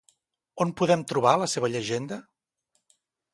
On podem trobar la seva llegenda?